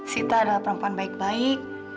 sita adalah perempuan baik baik